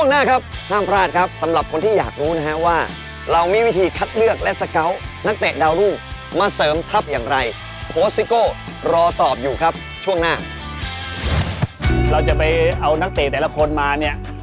เอานักเตะแต่ละคนมาเนี่ย